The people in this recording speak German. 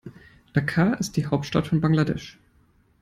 Dhaka ist die Hauptstadt von Bangladesch.